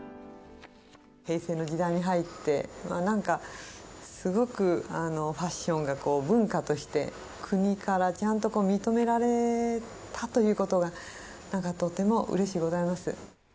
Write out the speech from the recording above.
平成の時代に入って、なんかすごくファッションが文化として、国からちゃんと認められたということが、とてもうれしゅうございます。